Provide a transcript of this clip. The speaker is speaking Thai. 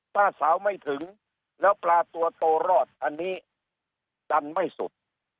ถ้าสาวไม่ถึงแล้วปลาตัวโตรอดอันนี้ดันไม่สุด